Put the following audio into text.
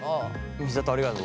美里ありがとう。